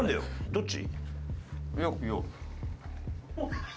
どっち？